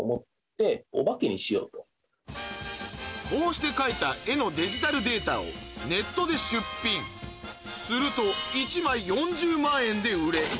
こうして描いた絵のデジタルデータをネットで出品するとで売れ